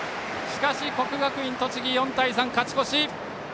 しかし、国学院栃木４対３、勝ち越し。